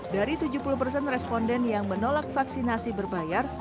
dari tujuh puluh persen responden yang menolak vaksinasi berbayar